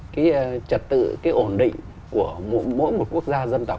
cái trật tự cái ổn định của mỗi một quốc gia